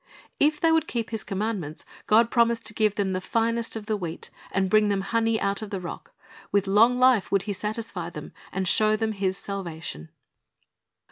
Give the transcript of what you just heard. "' If they would keep His commandments, God promised to give them the finest of the wheat, and bring them honey out of the rock. With long life would He satisfy them, and show them His salvation.